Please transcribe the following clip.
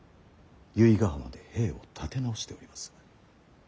由比ヶ浜で兵を立て直しております。